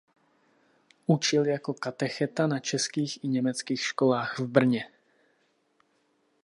Učil jako katecheta na českých i německých školách Brně.